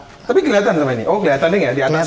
tapi kelihatan sama ini oh kelihatan ya nggak di atasnya masih